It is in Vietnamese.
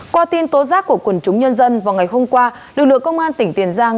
qua tin tố giác của quần chúng nhân dân vào ngày hôm qua lực lượng công an tỉnh tiền giang